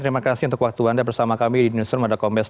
terima kasih untuk waktu anda bersama kami di newsroom moda kombes